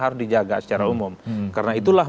harus dijaga secara umum karena itulah